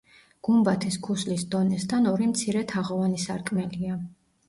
გუმბათის ქუსლის დონესთან ორი მცირე თაღოვანი სარკმელია.